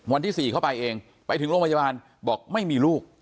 วันที่๔เข้าไปเองไปถึงโรงพยาบาลบอกไม่มีลูก